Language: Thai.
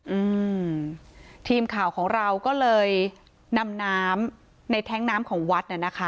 อืมทีมข่าวของเราก็เลยนำน้ำในแท้งน้ำของวัดน่ะนะคะ